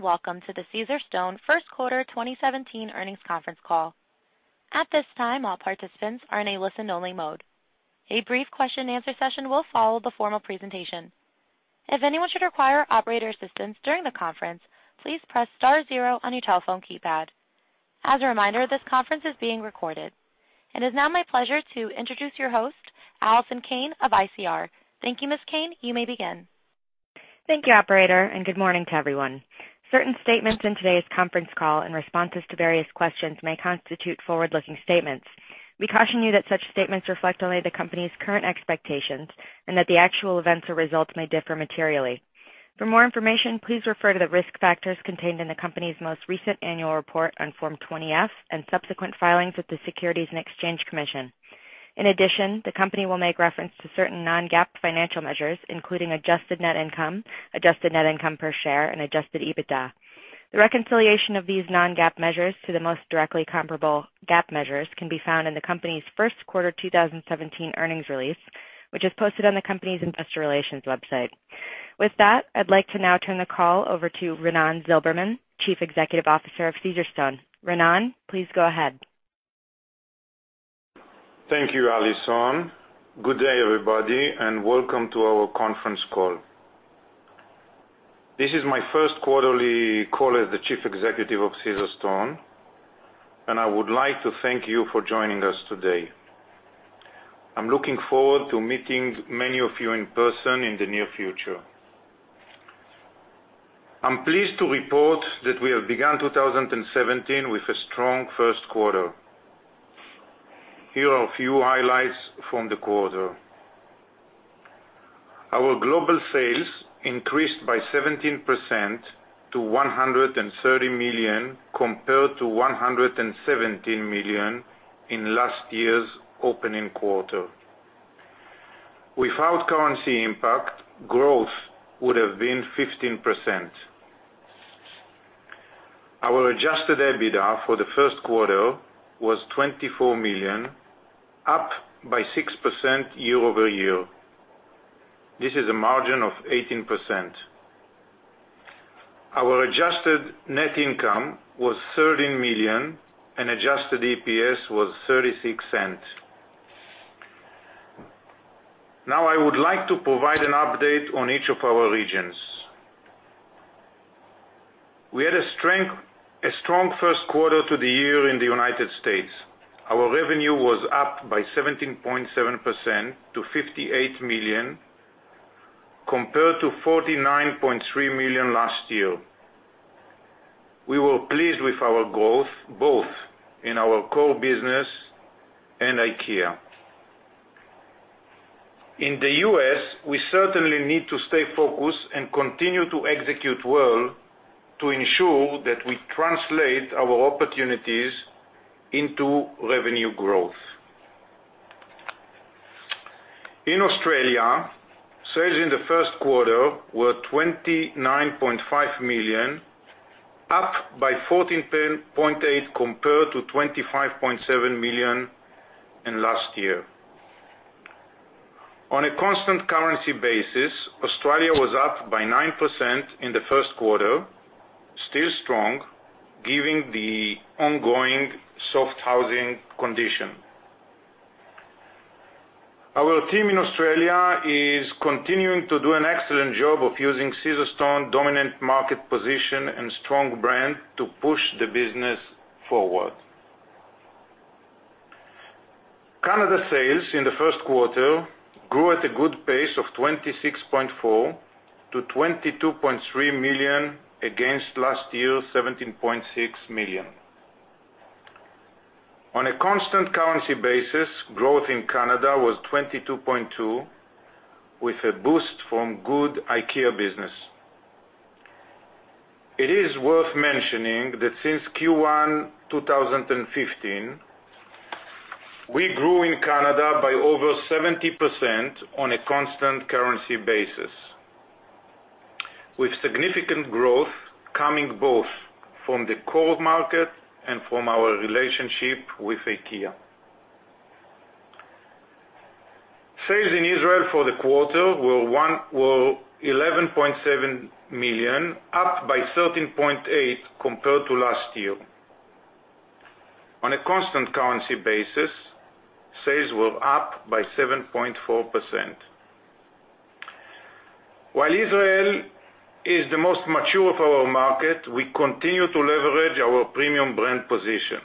Welcome to the Caesarstone first quarter 2017 earnings conference call. At this time, all participants are in a listen-only mode. A brief question-and-answer session will follow the formal presentation. If anyone should require operator assistance during the conference, please press star zero on your telephone keypad. As a reminder, this conference is being recorded. It is now my pleasure to introduce your host, Alison Kane of ICR. Thank you, Ms. Kane. You may begin. Thank you, operator, and good morning to everyone. Certain statements in today's conference call and responses to various questions may constitute forward-looking statements. We caution you that such statements reflect only the company's current expectations and that the actual events or results may differ materially. For more information, please refer to the risk factors contained in the company's most recent annual report on Form 20-F and subsequent filings with the Securities and Exchange Commission. In addition, the company will make reference to certain non-GAAP financial measures, including adjusted net income, adjusted net income per share, and adjusted EBITDA. The reconciliation of these non-GAAP measures to the most directly comparable GAAP measures can be found in the company's first quarter 2017 earnings release, which is posted on the company's investor relations website. With that, I'd like to now turn the call over to Raanan Zilberman, Chief Executive Officer of Caesarstone. Raanan, please go ahead. Thank you, Alison. Good day, everybody, and welcome to our conference call. This is my first quarterly call as the Chief Executive of Caesarstone, and I would like to thank you for joining us today. I'm looking forward to meeting many of you in person in the near future. I'm pleased to report that we have begun 2017 with a strong first quarter. Here are a few highlights from the quarter. Our global sales increased by 17% to $130 million, compared to $117 million in last year's opening quarter. Without currency impact, growth would have been 15%. Our adjusted EBITDA for the first quarter was $24 million, up by 6% year-over-year. This is a margin of 18%. Our adjusted net income was $30 million, and adjusted EPS was $0.36. Now I would like to provide an update on each of our regions. We had a strong first quarter to the year in the U.S. Our revenue was up by 17.7% to $58 million, compared to $49.3 million last year. We were pleased with our growth both in our core business and IKEA. In the U.S., we certainly need to stay focused and continue to execute well to ensure that we translate our opportunities into revenue growth. In Australia, sales in the first quarter were $29.5 million, up by 14.8% compared to $25.7 million last year. On a constant currency basis, Australia was up by 9% in the first quarter, still strong given the ongoing soft housing condition. Our team in Australia is continuing to do an excellent job of using Caesarstone's dominant market position and strong brand to push the business forward. Canada sales in the first quarter grew at a good pace of 26.4% to $22.3 million against last year's $17.6 million. On a constant currency basis, growth in Canada was 22.2%, with a boost from good IKEA business. It is worth mentioning that since Q1 2015, we grew in Canada by over 70% on a constant currency basis, with significant growth coming both from the core market and from our relationship with IKEA. Sales in Israel for the quarter were $11.7 million, up by 13.8% compared to last year. On a constant currency basis, sales were up by 7.4%. While Israel is the most mature of our markets, we continue to leverage our premium brand position,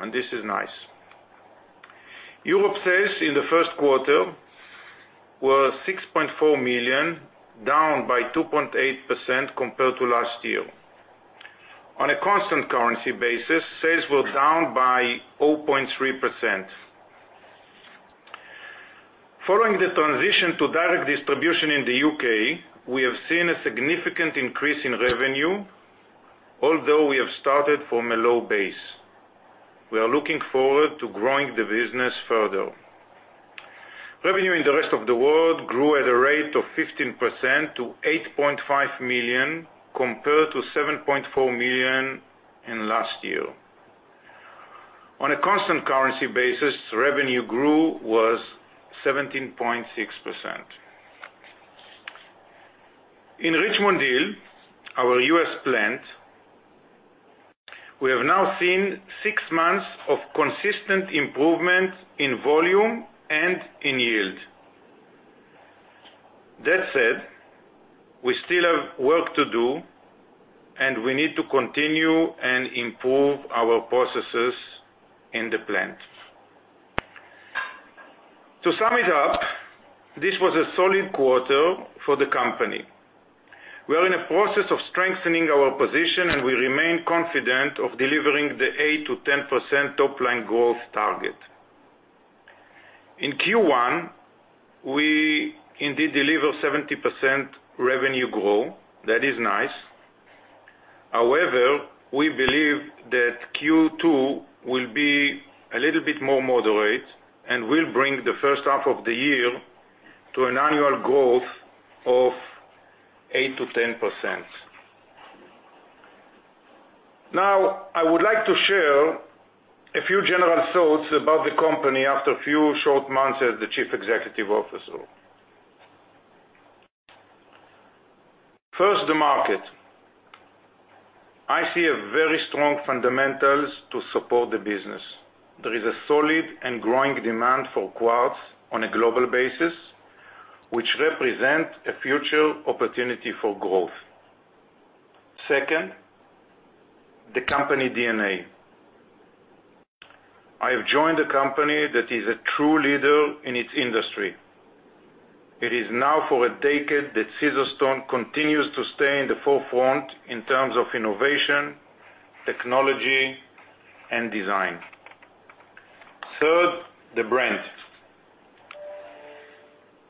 and this is nice. Europe sales in the first quarter were $6.4 million, down by 2.8% compared to last year. On a constant currency basis, sales were down by 0.3%. Following the transition to direct distribution in the U.K., we have seen a significant increase in revenue, although we have started from a low base. We are looking forward to growing the business further. Revenue in the rest of the world grew at a rate of 15% to $8.5 million, compared to $7.4 million last year. On a constant currency basis, revenue grew was 17.6%. In Richmond Hill, our U.S. plant, we have now seen six months of consistent improvement in volume and in yield. That said, we still have work to do, and we need to continue and improve our processes in the plant. To sum it up, this was a solid quarter for the company. We are in a process of strengthening our position, and we remain confident of delivering the 8%-10% top-line growth target. In Q1, we indeed deliver 17% revenue growth. That is nice. We believe that Q2 will be a little bit more moderate and will bring the first half of the year to an annual growth of 8%-10%. I would like to share a few general thoughts about the company after a few short months as the chief executive officer. First, the market. I see a very strong fundamentals to support the business. There is a solid and growing demand for quartz on a global basis, which represent a future opportunity for growth. Second, the company DNA. I've joined a company that is a true leader in its industry. It is now for a decade that Caesarstone continues to stay in the forefront in terms of innovation, technology, and design. Third, the brand.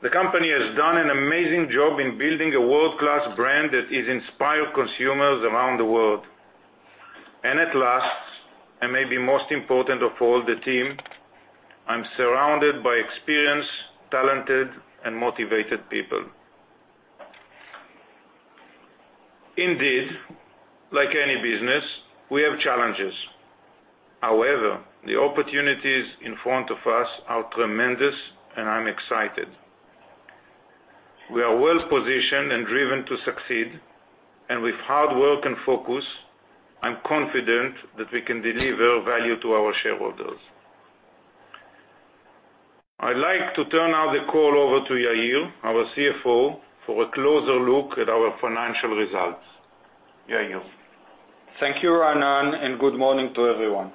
The company has done an amazing job in building a world-class brand that has inspired consumers around the world. At last, and maybe most important of all, the team. I am surrounded by experienced, talented, and motivated people. Indeed, like any business, we have challenges. However, the opportunities in front of us are tremendous, and I am excited. We are well-positioned and driven to succeed, and with hard work and focus, I am confident that we can deliver value to our shareholders. I would like to turn now the call over to Yair, our CFO, for a closer look at our financial results. Yair. Thank you, Raanan, and good morning to everyone.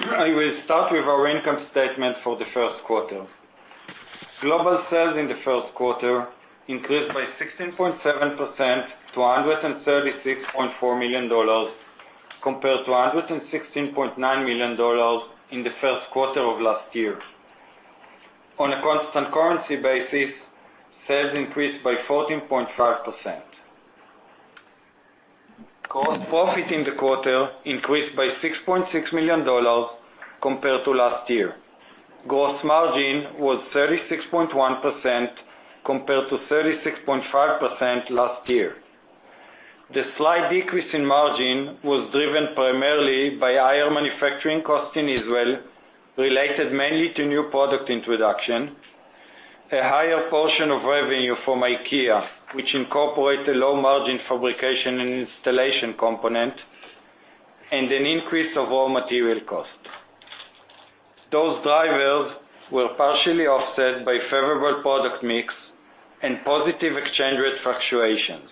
I will start with our income statement for the first quarter. Global sales in the first quarter increased by 16.7% to $136.4 million, compared to $116.9 million in the first quarter of last year. On a constant currency basis, sales increased by 14.5%. Gross profit in the quarter increased by $6.6 million compared to last year. Gross margin was 36.1% compared to 36.5% last year. The slight decrease in margin was driven primarily by higher manufacturing costs in Israel, related mainly to new product introduction, a higher portion of revenue from IKEA, which incorporates a low-margin fabrication and installation component, and an increase of raw material cost. Those drivers were partially offset by favorable product mix and positive exchange rate fluctuations.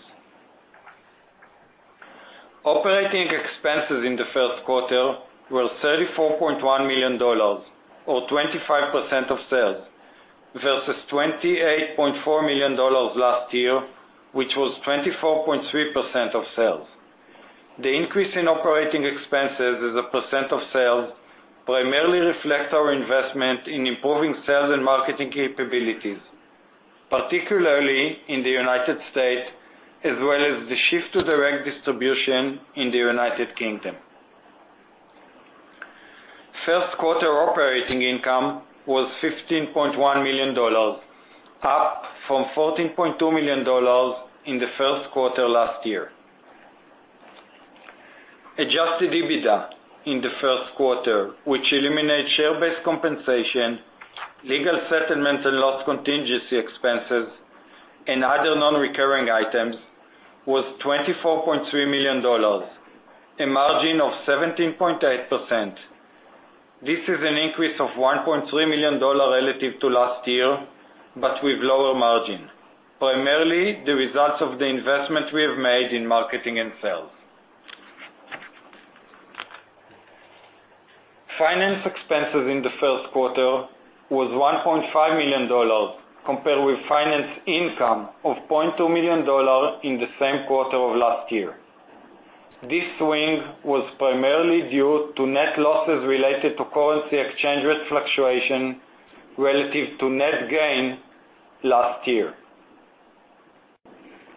Operating expenses in the first quarter were $34.1 million, or 25% of sales, versus $28.4 million last year, which was 24.3% of sales. The increase in operating expenses as a percent of sales primarily reflects our investment in improving sales and marketing capabilities, particularly in the U.S., as well as the shift to direct distribution in the U.K. First quarter operating income was $15.1 million, up from $14.2 million in the first quarter last year. Adjusted EBITDA in the first quarter, which eliminates share-based compensation, legal settlements and loss contingency expenses, and other non-recurring items, was $24.3 million, a margin of 17.8%. This is an increase of $1.3 million relative to last year, but with lower margin, primarily the results of the investment we have made in marketing and sales. Finance expenses in the first quarter was $1.5 million, compared with finance income of $0.2 million in the same quarter of last year. This swing was primarily due to net losses related to currency exchange rate fluctuation relative to net gain last year.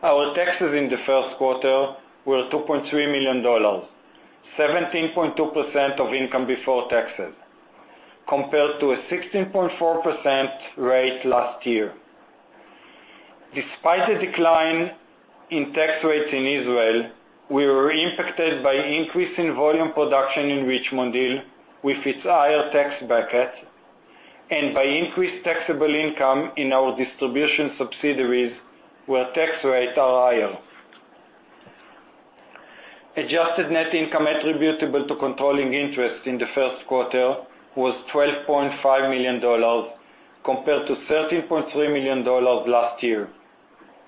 Our taxes in the first quarter were $2.3 million, 17.2% of income before taxes, compared to a 16.4% rate last year. Despite the decline in tax rates in Israel, we were impacted by increase in volume production in Richmond Hill with its higher tax bracket, and by increased taxable income in our distribution subsidiaries, where tax rates are higher. Adjusted net income attributable to controlling interest in the first quarter was $12.5 million, compared to $13.3 million last year.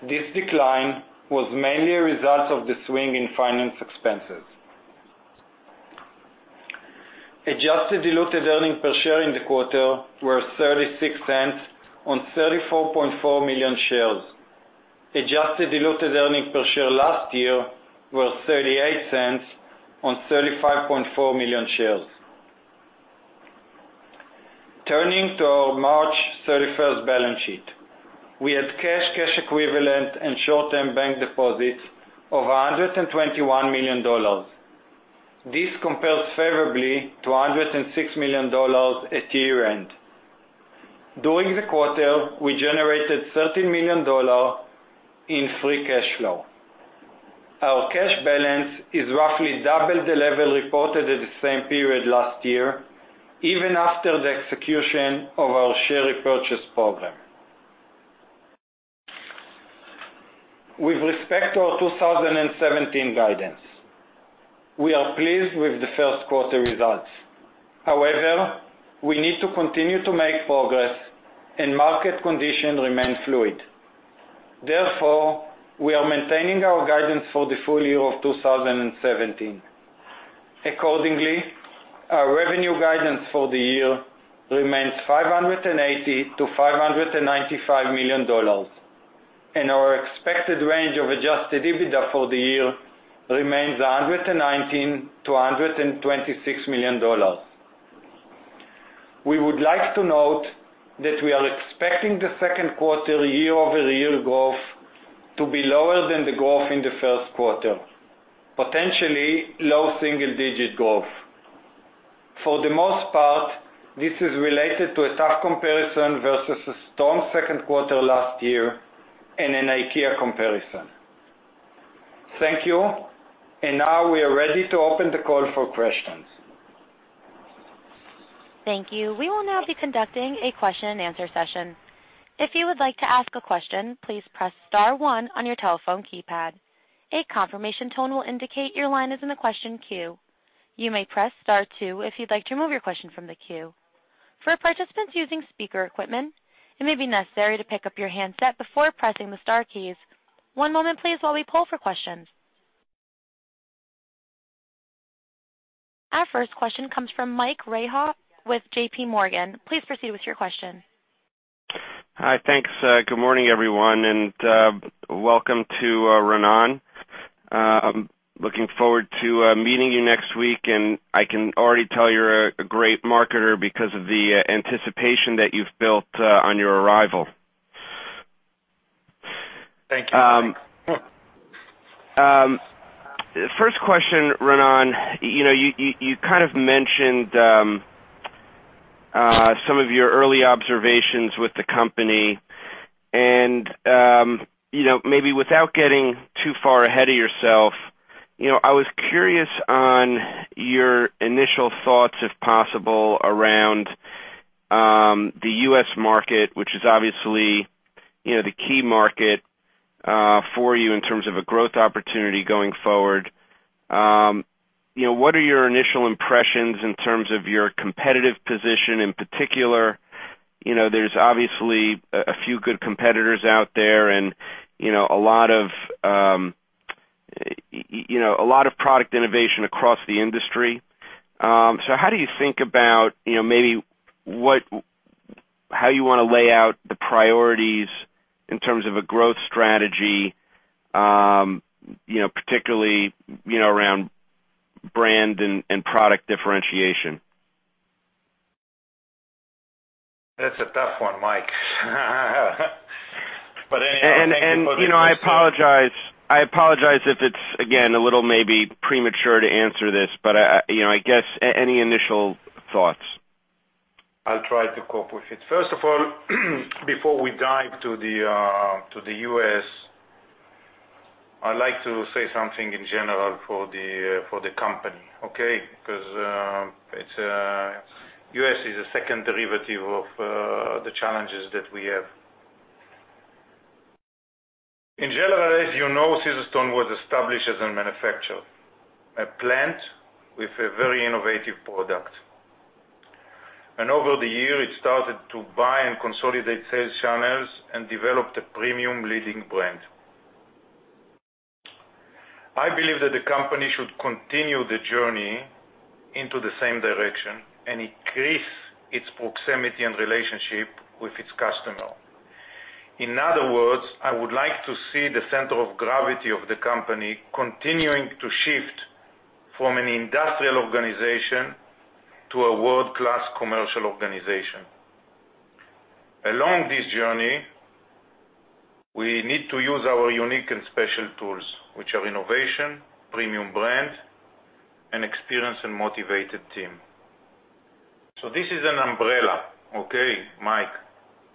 This decline was mainly a result of the swing in finance expenses. Adjusted diluted earnings per share in the quarter were $0.36 on 34.4 million shares. Adjusted diluted earnings per share last year were $0.38 on 35.4 million shares. Turning to our March 31st balance sheet. We had cash equivalent, and short-term bank deposits of $121 million. This compares favorably to $106 million at year-end. During the quarter, we generated $13 million in free cash flow. Our cash balance is roughly double the level reported at the same period last year, even after the execution of our share repurchase program. With respect to our 2017 guidance, we are pleased with the first quarter results. However, we need to continue to make progress, and market conditions remain fluid. Therefore, we are maintaining our guidance for the full year of 2017. Our revenue guidance for the year remains $580 million-$595 million, and our expected range of adjusted EBITDA for the year remains $119 million-$126 million. We would like to note that we are expecting the second quarter year-over-year growth to be lower than the growth in the first quarter, potentially low single-digit growth. For the most part, this is related to a tough comparison versus a strong second quarter last year, and an IKEA comparison. Thank you. Now we are ready to open the call for questions. Thank you. We will now be conducting a question and answer session. If you would like to ask a question, please press *1 on your telephone keypad. A confirmation tone will indicate your line is in the question queue. You may press *2 if you'd like to remove your question from the queue. For participants using speaker equipment, it may be necessary to pick up your handset before pressing the star keys. One moment please while we poll for questions. Our first question comes from Michael Rehaut with JPMorgan. Please proceed with your question. Hi. Thanks. Good morning, everyone, welcome to Raanan. Looking forward to meeting you next week, I can already tell you're a great marketer because of the anticipation that you've built on your arrival. Thank you, Mike. First question, Raanan, you kind of mentioned some of your early observations with the company and maybe without getting too far ahead of yourself, I was curious on your initial thoughts, if possible, around the U.S. market, which is obviously the key market for you in terms of a growth opportunity going forward. What are your initial impressions in terms of your competitive position in particular? There's obviously a few good competitors out there and a lot of product innovation across the industry. How do you think about maybe how you want to lay out the priorities in terms of a growth strategy, particularly around brand and product differentiation? That's a tough one, Mike. Anyway, thank you for the- I apologize if it's, again, a little maybe premature to answer this, I guess any initial thoughts? I'll try to cope with it. First of all, before we dive to the U.S., I'd like to say something in general for the company, okay? Because U.S. is a second derivative of the challenges that we have. In general, as you know, Caesarstone was established as a manufacturer, a plant with a very innovative product. Over the years, it started to buy and consolidate sales channels and developed a premium leading brand. I believe that the company should continue the journey into the same direction and increase its proximity and relationship with its customer. In other words, I would like to see the center of gravity of the company continuing to shift from an industrial organization to a world-class commercial organization. Along this journey, we need to use our unique and special tools, which are innovation, premium brand, and experienced and motivated team This is an umbrella, okay, Mike?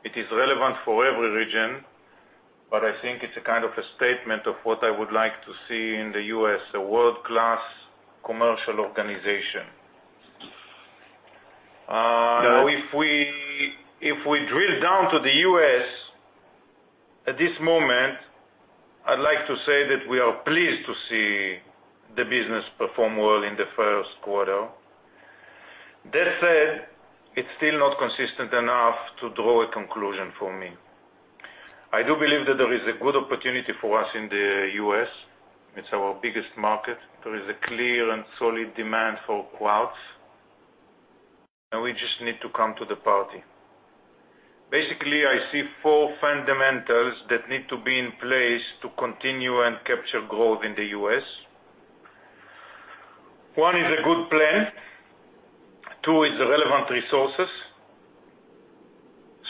It is relevant for every region, but I think it's a kind of a statement of what I would like to see in the U.S., a world-class commercial organization. If we drill down to the U.S., at this moment, I'd like to say that we are pleased to see the business perform well in the first quarter. That said, it's still not consistent enough to draw a conclusion for me. I do believe that there is a good opportunity for us in the U.S. It's our biggest market. There is a clear and solid demand for quartz, and we just need to come to the party. Basically, I see four fundamentals that need to be in place to continue and capture growth in the U.S. One is a good plan, two is relevant resources,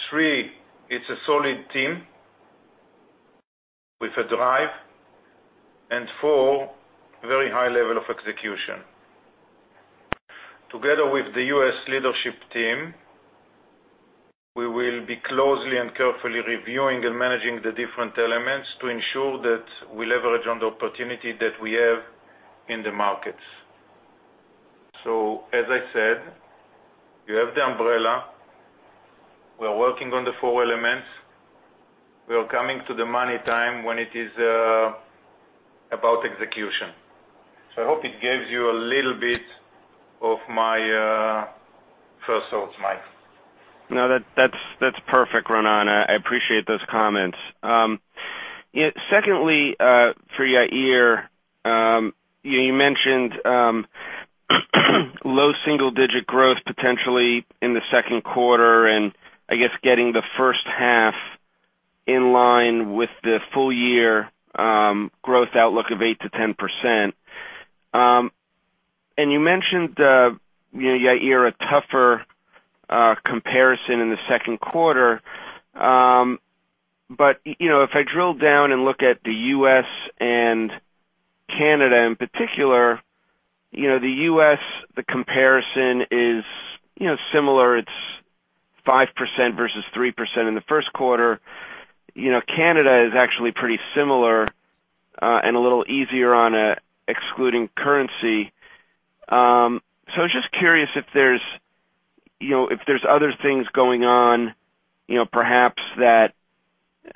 three it's a solid team with a drive, and four, very high level of execution. Together with the U.S. leadership team, we will be closely and carefully reviewing and managing the different elements to ensure that we leverage on the opportunity that we have in the markets. As I said, you have the umbrella. We're working on the four elements. We are coming to the money time when it is about execution. I hope it gives you a little bit of my first thoughts, Mike. No, that's perfect, Raanan. I appreciate those comments. Secondly, for Yair, you mentioned, low single-digit growth potentially in the second quarter, and I guess getting the first half in line with the full year growth outlook of 8%-10%. You mentioned, Yair, a tougher comparison in the second quarter. If I drill down and look at the U.S. and Canada in particular, the U.S., the comparison is similar. It's 5% versus 3% in the first quarter. Canada is actually pretty similar, and a little easier on excluding currency. I was just curious if there's other things going on, perhaps that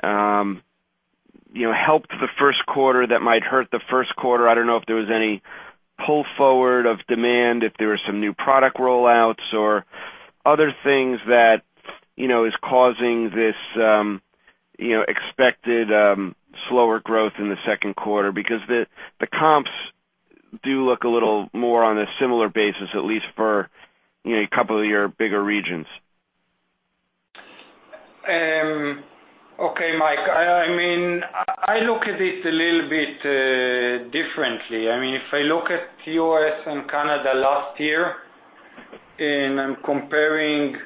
helped the first quarter that might hurt the first quarter. I don't know if there was any pull forward of demand, if there were some new product roll-outs or other things that is causing this expected slower growth in the second quarter, because the comps do look a little more on a similar basis, at least for a couple of your bigger regions. Okay, Mike. I look at it a little bit differently. I'm comparing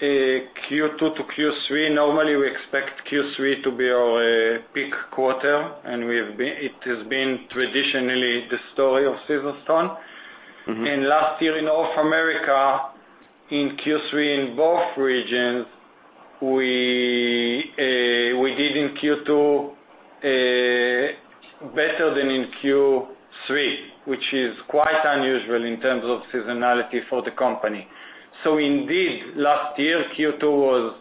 Q2 to Q3, normally we expect Q3 to be our peak quarter, and it has been traditionally the story of Caesarstone. Last year in North America, in Q3 in both regions, we did in Q2 better than in Q3, which is quite unusual in terms of seasonality for the company. Indeed, last year, Q2 was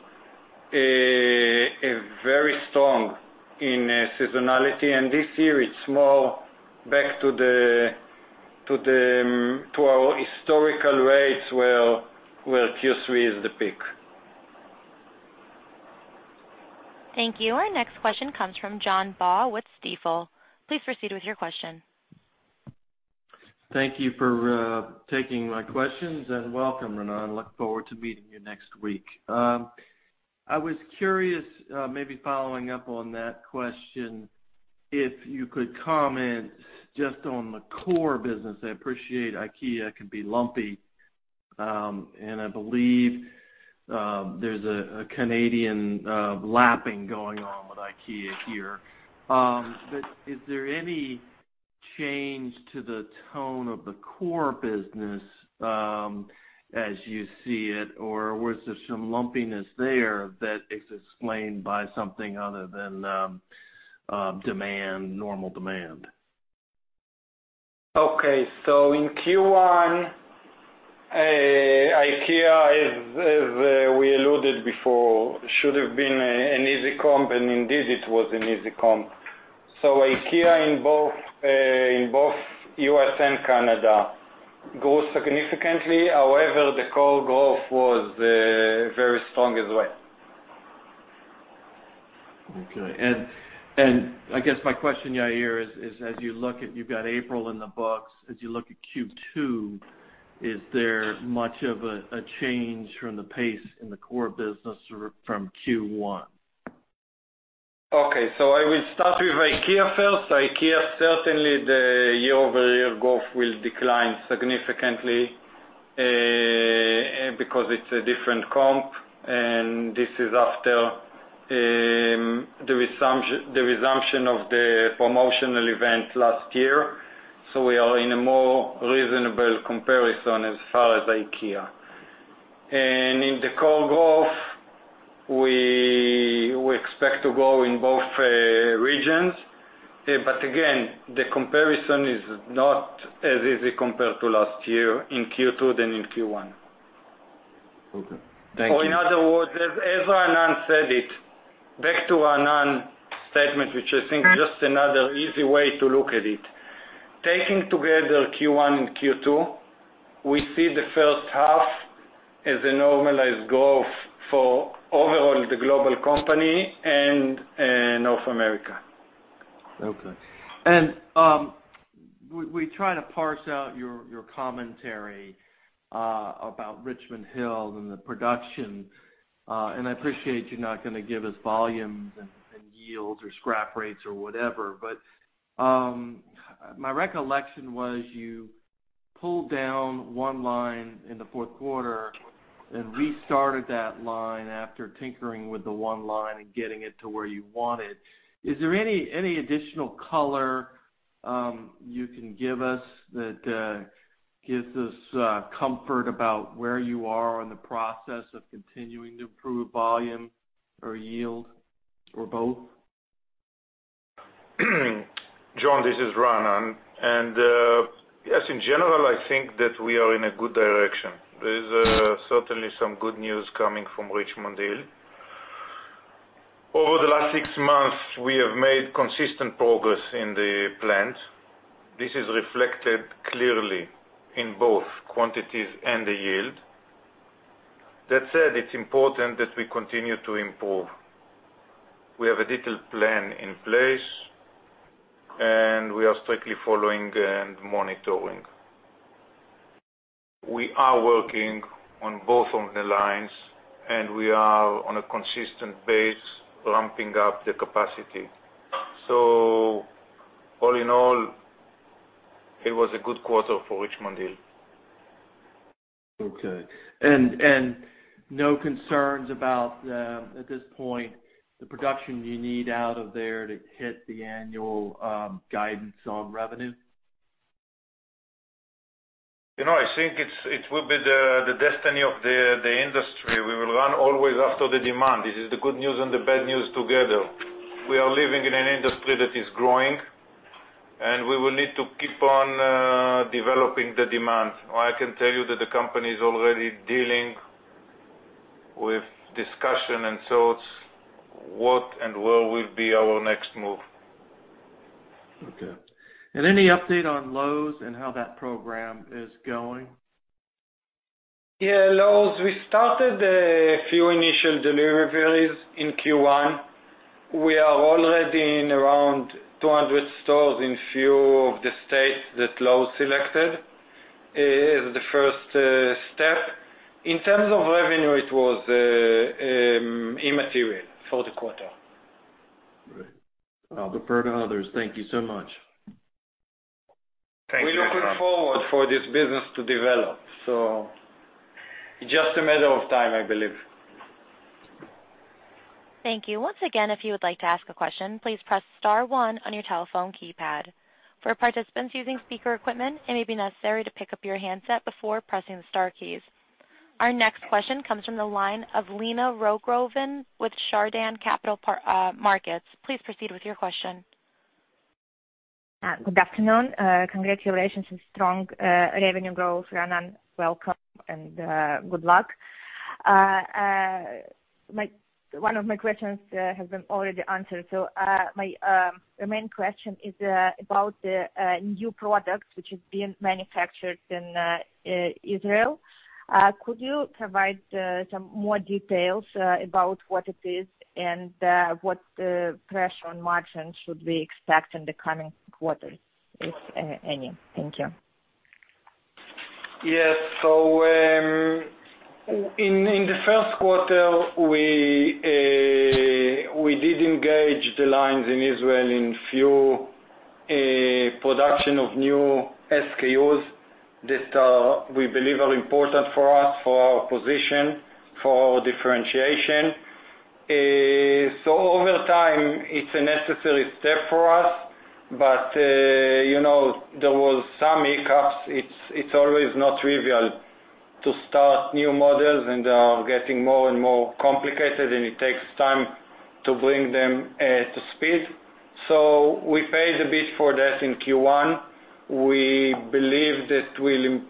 very strong in seasonality, and this year it's more back to our historical rates, where Q3 is the peak. Thank you. Our next question comes from John Baugh with Stifel. Please proceed with your question. Thank you for taking my questions, and welcome, Raanan. Look forward to meeting you next week. I was curious, maybe following up on that question, if you could comment just on the core business. I appreciate IKEA could be lumpy, and I believe there's a Canadian lapping going on with IKEA here. Is there any change to the tone of the core business, as you see it, or was there some lumpiness there that is explained by something other than normal demand? Okay. In Q1, IKEA, as we alluded before, should have been an easy comp, and indeed, it was an easy comp. IKEA in both U.S. and Canada grew significantly. However, the core growth was very strong as well. Okay. I guess my question, Yair, is as you look at, you've got April in the books, as you look at Q2, is there much of a change from the pace in the core business from Q1? Okay. I will start with IKEA first. IKEA, certainly the year-over-year growth will decline significantly, because it's a different comp. The resumption of the promotional event last year. We are in a more reasonable comparison as far as IKEA. In the core growth, we expect to grow in both regions. Again, the comparison is not as easy compared to last year in Q2 than in Q1. Okay. Thank you. In other words, as Raanan said it, back to Raanan's statement, which I think just another easy way to look at it. Taking together Q1 and Q2, we see the first half as a normalized growth for overall the global company and North America. Okay. We try to parse out your commentary about Richmond Hill and the production. I appreciate you're not going to give us volumes and yields or scrap rates or whatever, but my recollection was you pulled down one line in the fourth quarter and restarted that line after tinkering with the one line and getting it to where you wanted. Is there any additional color you can give us that gives us comfort about where you are in the process of continuing to improve volume or yield or both? John, this is Raanan. Yes, in general, I think that we are in a good direction. There is certainly some good news coming from Richmond Hill. Over the last six months, we have made consistent progress in the plant. This is reflected clearly in both quantities and the yield. That said, it's important that we continue to improve. We have a detailed plan in place, and we are strictly following and monitoring. We are working on both of the lines, and we are on a consistent base, ramping up the capacity. All in all, it was a good quarter for Richmond Hill. Okay. No concerns about, at this point, the production you need out of there to hit the annual guidance on revenue? I think it will be the destiny of the industry. We will run always after the demand. This is the good news and the bad news together. We are living in an industry that is growing, and we will need to keep on developing the demand. I can tell you that the company is already dealing with discussion and thoughts, what and where will be our next move. Okay. Any update on Lowe's and how that program is going? Yeah, Lowe's, we started a few initial deliveries in Q1. We are already in around 200 stores in few of the states that Lowe's selected as the first step. In terms of revenue, it was immaterial for the quarter. Great. I'll defer to others. Thank you so much. Thank you. We're looking forward for this business to develop. It's just a matter of time, I believe. Thank you. Once again, if you would like to ask a question, please press star one on your telephone keypad. For participants using speaker equipment, it may be necessary to pick up your handset before pressing the star keys. Our next question comes from the line of Lena Rogova with Chardan Capital Markets. Please proceed with your question. Good afternoon. Congratulations on strong revenue growth, Raanan. Welcome and good luck. One of my questions has been already answered, so my remaining question is about the new product, which is being manufactured in Israel. Could you provide some more details about what it is and what pressure on margin should we expect in the coming quarters, if any? Thank you. Yes. In the first quarter, we did engage the lines in Israel in full production of new SKUs that we believe are important for us, for our position, for our differentiation. Over time, it's a necessary step for us. There was some hiccups. It's always not trivial to start new models, and they are getting more and more complicated, and it takes time to bring them to speed. We paid a bit for that in Q1. We believe that we'll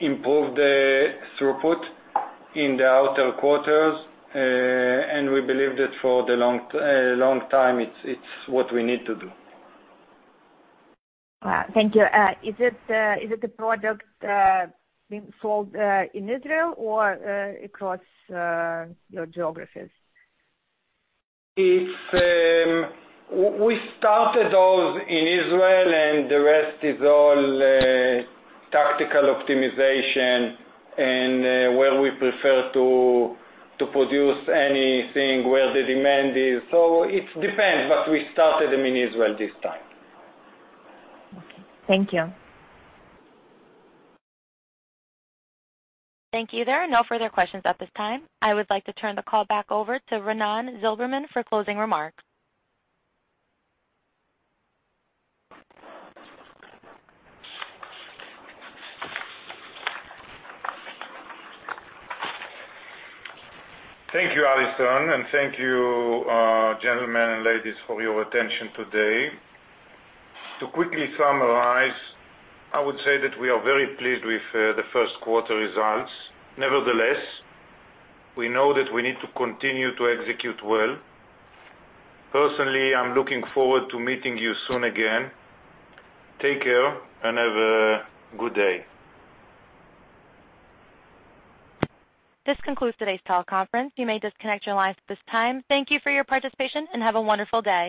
improve the throughput in the outer quarters. We believe that for the long time, it's what we need to do. Thank you. Is it the product being sold in Israel or across your geographies? We started those in Israel, and the rest is all tactical optimization and where we prefer to produce anything where the demand is. It depends, but we started them in Israel this time. Okay. Thank you. Thank you. There are no further questions at this time. I would like to turn the call back over to Raanan Zilberman for closing remarks. Thank you, Alison, and thank you, gentlemen and ladies, for your attention today. To quickly summarize, I would say that we are very pleased with the first quarter results. Nevertheless, we know that we need to continue to execute well. Personally, I'm looking forward to meeting you soon again. Take care, and have a good day. This concludes today's teleconference. You may disconnect your lines at this time. Thank you for your participation, and have a wonderful day.